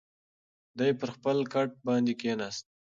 دی پر خپل کټ باندې کښېناست.